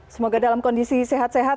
semoga dalam kondisi sehat sehat